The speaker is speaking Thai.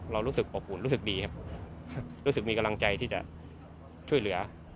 เรารู้สึกอบอุ่นรู้สึกดีครับรู้สึกมีกำลังใจที่จะช่วยเหลือ